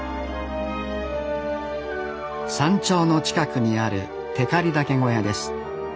山頂の近くにある光岳小屋です。